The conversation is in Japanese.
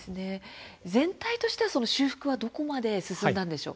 全体としては修復はどこまで進んだんでしょう。